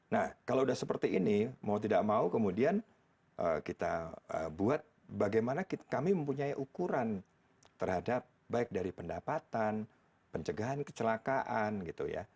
nah kalau sudah seperti ini mau tidak mau kemudian kita buat bagaimana kami mempunyai ukuran terhadap baik dari pendapatan pencegahan kecelakaan gitu ya